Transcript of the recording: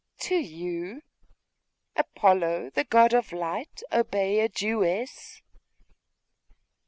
'To you? Apollo, the god of light, obey a Jewess?